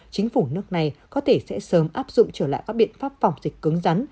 chính phủ nước này có thể sẽ sớm áp dụng trở lại các biện pháp phòng dịch cứng rắn